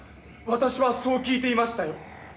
私はそう聞いていましたよ。